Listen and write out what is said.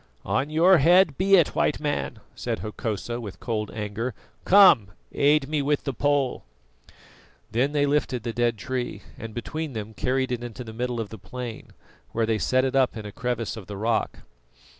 "On your head be it, White Man," said Hokosa, with cold anger. "Come, aid me with the pole." Then they lifted the dead tree, and between them carried it into the middle of the plain, where they set it up in a crevice of the rock.